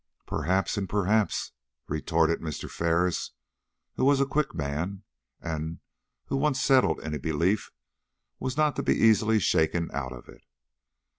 "Perhaps and perhaps," retorted Mr. Ferris, who was a quick man, and who, once settled in a belief, was not to be easily shaken out of it.